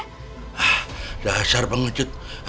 hah dasar pengecut